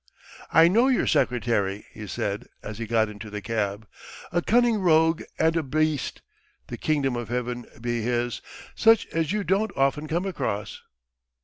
"I know your secretary," he said, as he got into the cab. "A cunning rogue and a beast the kingdom of heaven be his such as you don't often come across."